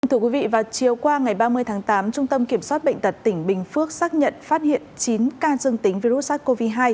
thưa quý vị vào chiều qua ngày ba mươi tháng tám trung tâm kiểm soát bệnh tật tỉnh bình phước xác nhận phát hiện chín ca dương tính với virus sars cov hai